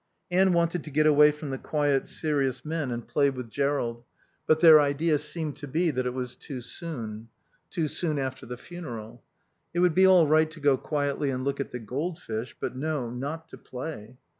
Anne wanted to get away from the quiet, serious men and play with Jerrold; but their idea seemed to be that it was too soon. Too soon after the funeral. It would be all right to go quietly and look at the goldfish; but no, not to play.